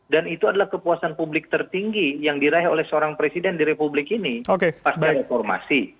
dan itu adalah kepuasan publik tertinggi yang diraih oleh seorang presiden di republik ini pas reformasi